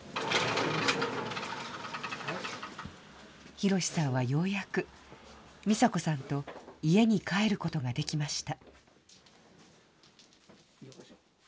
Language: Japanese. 寛さんはようやく、ミサ子さんと家に帰ることができました。